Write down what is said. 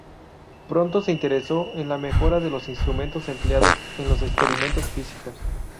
Pronto se interesó en la mejora de los instrumentos empleados en los experimentos físicos.